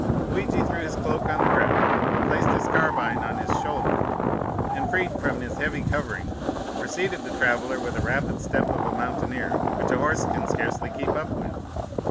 "Luigi threw his cloak on the ground, placed his carbine on his shoulder, and freed from his heavy covering, preceded the traveller with the rapid step of a mountaineer, which a horse can scarcely keep up with.